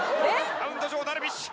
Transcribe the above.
マウンド上ダルビッシュ。